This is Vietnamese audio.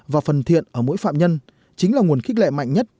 và phần thiện ở mỗi phạm nhân chính là nguồn khích lệ mạnh nhất